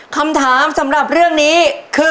คำถามสำหรับเรื่องนี้คือ